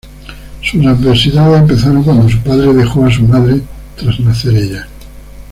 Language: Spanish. Sus adversidades empezaron cuando su padre dejó a su madre tras nacer ella.